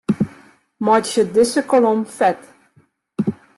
Meitsje dizze kolom fet.